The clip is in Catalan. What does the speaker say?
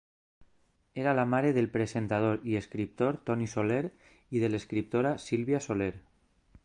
Era la mare del presentador i escriptor Toni Soler i de l'escriptora Sílvia Soler.